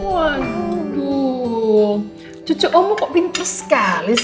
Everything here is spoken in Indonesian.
waduh cucu om kok pinter sekali sih